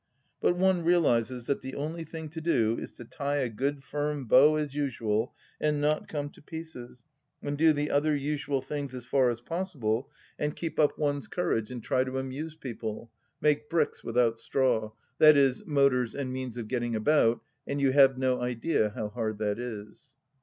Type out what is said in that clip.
But one realizes that the only thing to do is to tie a good firm bow as usual, and not come to pieces, and do the other usual things as far as possible, and keep up one's courage 86 THE LAST DITCH and try to amuse people: make bricks without straw — i.e. motors and means of getting about, and you have no idea how hard that is